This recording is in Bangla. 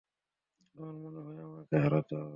তোমার মনে হয়, আমাকে হারাতে পারবে?